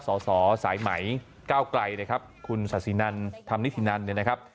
สอสอสายไหมเก้าไกลนะครับคุณศาษินันธรรมนิษฐินันนะครับ